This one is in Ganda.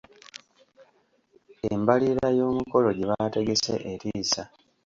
Embalirira y’omukolo gye baategese etiisa.